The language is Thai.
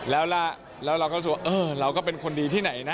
แล้วเราก็รู้สึกว่าเออเราก็เป็นคนดีที่ไหนนะ